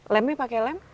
lemnya pakai lem